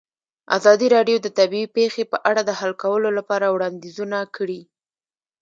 ازادي راډیو د طبیعي پېښې په اړه د حل کولو لپاره وړاندیزونه کړي.